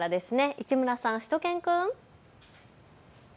市村さん、しゅと犬くん。